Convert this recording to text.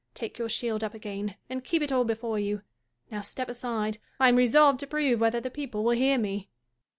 Take your shield up again; and keep it all before you. Now step aside : I am resolved to prove whether the people will hear me.